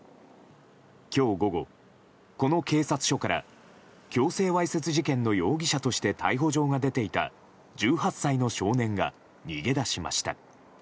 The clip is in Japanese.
今日午後、この警察署から強制わいせつ事件の容疑者として逮捕状が出ていた１８歳の少年が逃げ出しました。